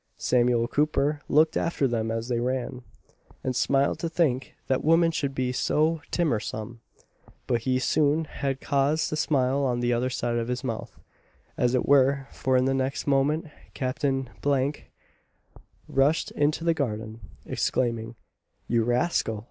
Samuel Cooper looked after them as they ran, and smiled to think that women should be so "timmersome." But he soon had cause to smile on the other side of his mouth, as it were; for in the next moment Captain F rushed into the garden, exclaiming, "You rascal!